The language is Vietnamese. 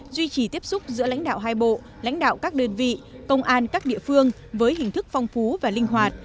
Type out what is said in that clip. duy trì tiếp xúc giữa lãnh đạo hai bộ lãnh đạo các đơn vị công an các địa phương với hình thức phong phú và linh hoạt